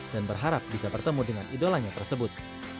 dan berharap bisa bertemu dengan idolanya tersebut